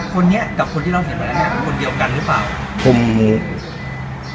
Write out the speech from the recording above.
คนนี้กับคนที่เราเห็นไปแล้วเนี่ยคือคนเดียวกันหรือเปล่า